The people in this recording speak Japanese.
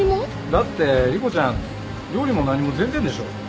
だって莉湖ちゃん料理も何も全然でしょ？